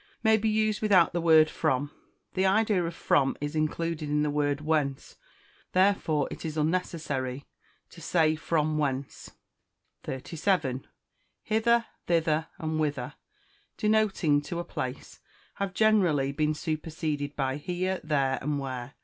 may be used without the word from. The idea of from is included in the word whence therefore it is unnecessary to say "From whence." 37. Hither, thither, and whither, denoting to a place, have generally been superseded by here, there, and where.